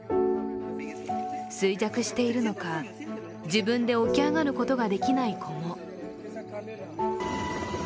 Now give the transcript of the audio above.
衰弱しているのか、自分で起き上がることができない子も。